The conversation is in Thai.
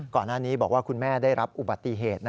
ก่อนหน้านี้บอกว่าคุณแม่ได้รับอุบัติเหตุ